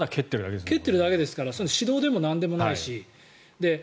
蹴っているだけですから指導でもなんでもないし。